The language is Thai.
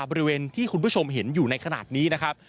บริเวณที่คุณผู้ชมเห็นอยู่ในขณะนี้นะครับ